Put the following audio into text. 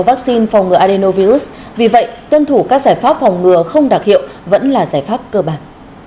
vắc xin phòng ngừa adeno virus vì vậy tuân thủ các giải pháp phòng ngừa không đặc hiệu vẫn là giải pháp cơ bản